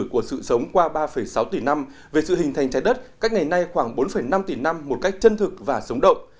của sự sống qua ba sáu tỷ năm về sự hình thành trái đất cách ngày nay khoảng bốn năm tỷ năm một cách chân thực và sống động